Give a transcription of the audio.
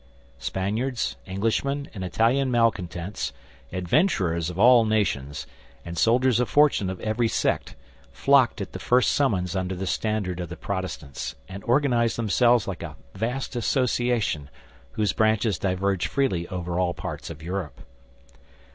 Spaniards, Englishmen, and Italian malcontents, adventurers of all nations, and soldiers of fortune of every sect, flocked at the first summons under the standard of the Protestants, and organized themselves like a vast association, whose branches diverged freely over all parts of Europe.